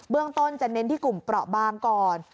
เรื่องต้นจะเน้นที่กลุ่มเปราะบางก่อน